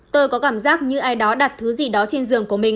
tôi có cảm giác như ai đó đặt thứ gì đó trên giường